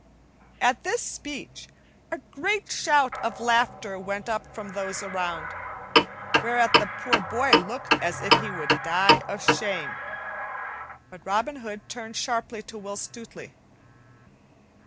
At this speech a great shout of laughter went up from those around, whereat the poor boy looked as he would die of shame; but Robin Hood turned sharply to Will Stutely.